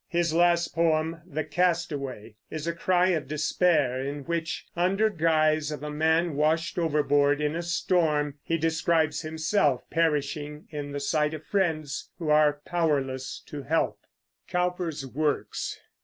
His last poem, "The Castaway," is a cry of despair, in which, under guise of a man washed overboard in a storm, he describes himself perishing in the sight of friends who are powerless to help. COWPER'S WORKS.